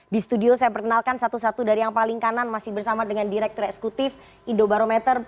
di studio saya perkenalkan satu satu dari yang paling kanan masih bersama dengan direktur eksekutif indobarometer